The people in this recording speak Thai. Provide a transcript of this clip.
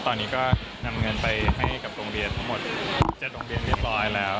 ตอนนี้ก็นำเงินไปให้กับโรงเรียนทั้งหมด๗โรงเรียนเรียบร้อยแล้ว